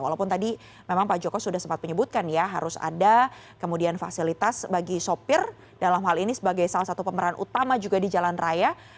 walaupun tadi memang pak joko sudah sempat menyebutkan ya harus ada kemudian fasilitas bagi sopir dalam hal ini sebagai salah satu pemeran utama juga di jalan raya